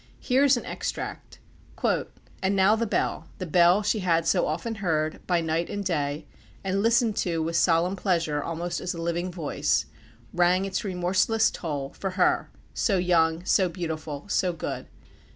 Here is an extract: "And now the bell the bell she had so often heard, by night and day, and listened to with solemn pleasure almost as a living voice rang its remorseless toll, for her, so young, so beautiful, so good.